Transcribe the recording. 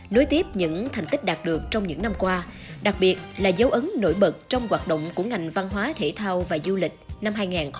nối tiếp những thành tích đạt được trong những năm qua đặc biệt là dấu ấn nổi bật trong hoạt động của ngành văn hóa thể thao và du lịch năm hai nghìn một mươi tám